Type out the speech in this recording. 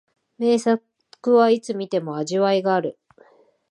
名作はいつ観ても味わいがある